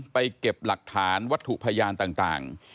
เก็บหลักฐานวัตถุพยานต่าง